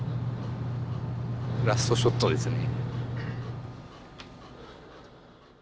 ラストショットですね。